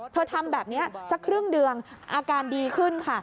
ทำแบบนี้สักครึ่งเดือนอาการดีขึ้นค่ะ